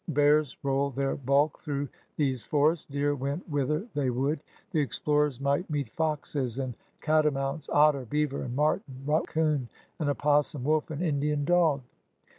Bears rolled their bulk through these forests; deer went whither they would. The explorers might meet foxes and catamounts, otter, beaver and marten, raccoon and opossum, wolf and Indian dog.